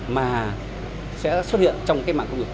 mà sẽ xuất hiện trong cái mạng công việc